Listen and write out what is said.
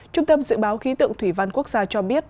trung tâm dự báo khí tượng thủy văn quốc gia cho biết